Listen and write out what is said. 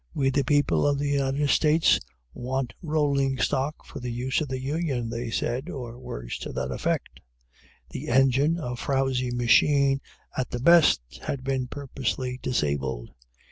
"We, the People of the United States, want rolling stock for the use of the Union," they said, or words to that effect. The engine a frowsy machine at the best had been purposely disabled.